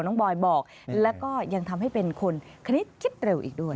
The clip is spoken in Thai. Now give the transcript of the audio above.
บอยบอกแล้วก็ยังทำให้เป็นคนคณิตคิดเร็วอีกด้วย